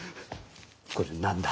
これ何だ？